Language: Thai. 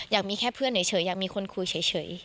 อยากมีแค่เพื่อนเฉยอยากมีคนคุยเฉย